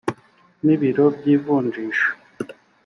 n ibiro by ivunjisha